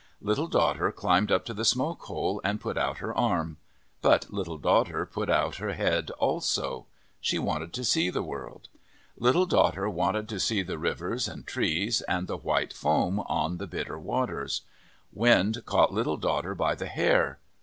Little Daughter climbed up to the smoke hole and put out her arm. But Little Daughter put out her head also. She wanted to see the world. Little Daughter wanted to see the rivers and trees, and the white foam on the Bitter Waters. Wind caught Little Daughter by the hair.